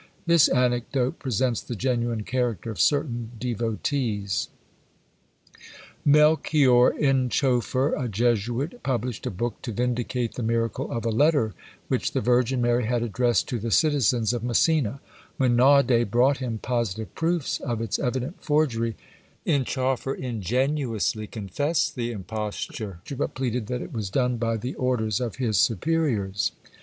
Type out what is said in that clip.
This anecdote presents the genuine character of certain devotees. Melchior Inchoffer, a Jesuit, published a book to vindicate the miracle of a Letter which the Virgin Mary had addressed to the citizens of Messina: when Naudé brought him positive proofs of its evident forgery, Inchoffer ingenuously confessed the imposture, but pleaded that it was done by the orders of his superiors.